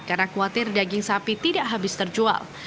karena khawatir daging sapi tidak habis terjual